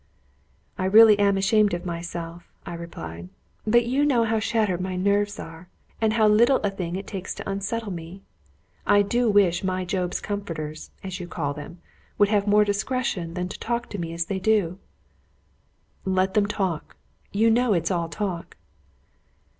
"I really am ashamed of myself," I replied; "but you know how shattered my nerves are, and how little a thing it takes to unsettle me. I do wish my Job's comforters, as you call them, would have more discretion than to talk to me as they do." "Let them talk; you know it is all talk."